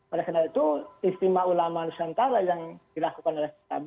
oleh karena itu istimewa ulama nusantara yang dilakukan oleh pkb